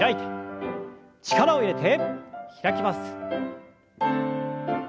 力を入れて開きます。